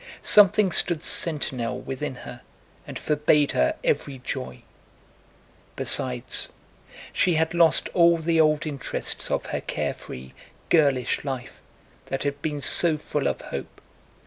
Something stood sentinel within her and forbade her every joy. Besides, she had lost all the old interests of her carefree girlish life that had been so full of hope.